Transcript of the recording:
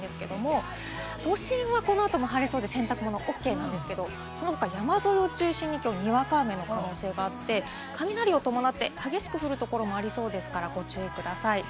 都心はこのあとも晴れそうで洗濯物ＯＫなんですけれども、その他、山沿いを中心ににわか雨の可能性があって、雷を伴って激しく降るところもありそうですからご注意ください。